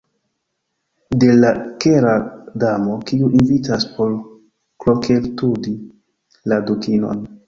De la Kera Damo, kiu invitas por kroketludi la Dukinon.